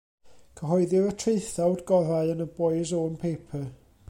Cyhoeddir y traethawd gorau yn y Boy's Own Paper.